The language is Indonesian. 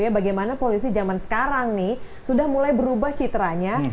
bagaimana polisi zaman sekarang nih sudah mulai berubah citranya